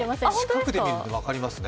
近くで見ると分かりますね。